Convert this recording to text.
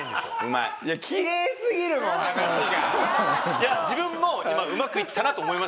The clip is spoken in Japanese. いや自分も今うまくいったなと思いましたけど。